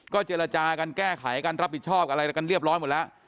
เจรจากันแก้ไขกันรับผิดชอบอะไรกันเรียบร้อยหมดแล้ว